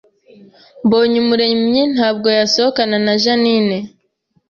Mbonyumuremyi ntabwo yasohokana na Jeaninne